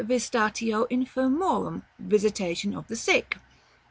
Visitatio infirmorum. Visitation of the sick.